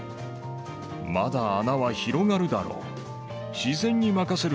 まだ穴は広がるだろう。